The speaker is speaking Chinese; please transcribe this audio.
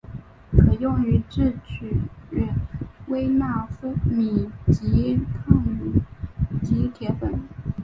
可用于制取微纳米级羰基铁粉。